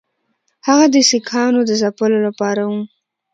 هغه د سیکهانو د ځپلو لپاره وو.